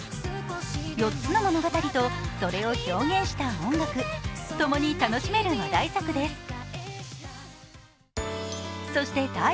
４つの物語とそれを表現した音楽、共に楽しめる話題作です。